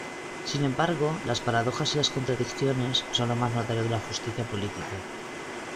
Sin embargo, las paradojas y las contradicciones son lo más notorio de "Justicia política".